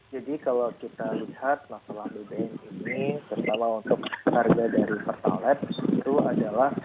jadi kalau kita lihat masalah bbm ini terutama untuk harga dari pertalat itu adalah empat